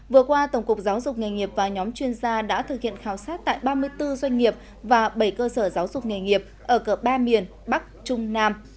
vừa qua tổng cục giáo dục nghề nghiệp và nhóm chuyên gia đã thực hiện khảo sát tại ba mươi bốn doanh nghiệp và bảy cơ sở giáo dục nghề nghiệp ở cờ ba miền bắc trung nam